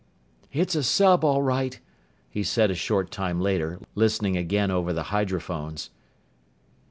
"It's a sub, all right," he said a short time later, listening again over the hydrophones.